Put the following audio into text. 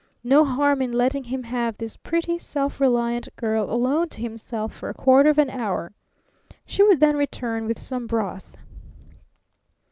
No harm in letting him have this pretty, self reliant girl alone to himself for a quarter of an hour. She would then return with some broth.